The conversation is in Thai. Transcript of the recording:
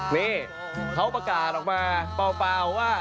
นี่เขาประกาศออกมาเปล่าว่า